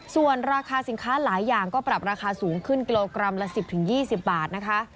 ส่วนราคาสินค้าหลายอย่างก็ปรับราคาสูงขึ้นกิโลกรัมละ๑๐๒๐บาทนะคะ